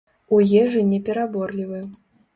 У ежы не пераборлівы.